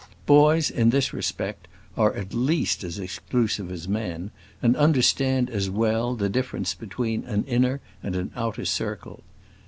Boys, in this respect, are at least as exclusive as men, and understand as well the difference between an inner and an outer circle.